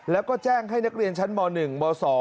แล้วก็แจ้งให้นักเรียนชั้นม๑ม๒